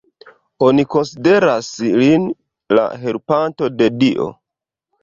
Oni konsideras lin la helpanto de Dio.